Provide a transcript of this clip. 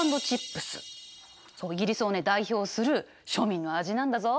イギリスをね代表する庶民の味なんだぞ。